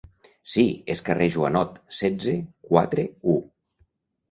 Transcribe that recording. Sí, es carrer Joanot, setze, quatre-u.